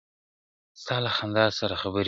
ستـا له خندا سره خبري كـوم~